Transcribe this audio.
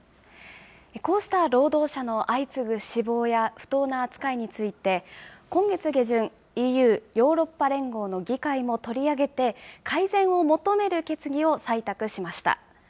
こうした労働者の相次ぐ死亡や不当な扱いについて、今月下旬、ＥＵ・ヨーロッパ連合の議会も取り上げて、改善を求める決議を採択しました。